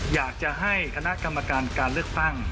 อยากจะให้คณะกรรมการการเลือกตั้ง